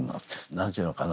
何て言うのかな